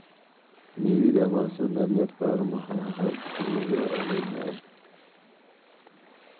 مېوې د افغانستان د امنیت په اړه هم پوره اغېز لري.